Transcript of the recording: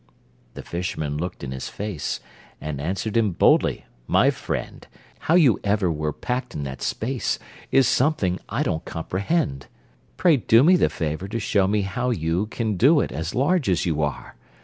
The fisherman looked in his face, And answered him boldly: "My friend, How you ever were packed in that space Is something I don't comprehend. Pray do me the favor to show me how you Can do it, as large as you are."